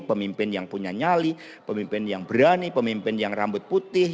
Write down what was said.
pemimpin yang punya nyali pemimpin yang berani pemimpin yang rambut putih